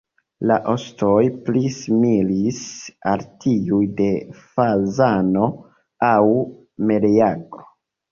La ostoj pli similis al tiuj de fazano aŭ meleagro.